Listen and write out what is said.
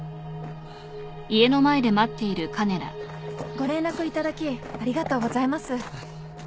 ご連絡いただきありがとうございます。